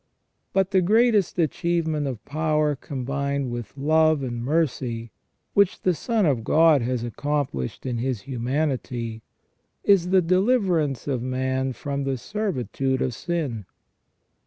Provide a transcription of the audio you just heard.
But the greatest achievement of power combined with love and mercy, which the Son of God has accomplished in His humanity, is the deliverance of man from the servitude of sin.